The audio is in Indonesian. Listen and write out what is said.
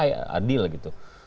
membuat ini selesai adil gitu